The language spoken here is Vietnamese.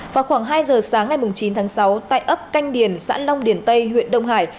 vào khoảng hai giờ sáng ngày chín tháng sáu tại ấp canh điền xã long điền tây huyện đông hải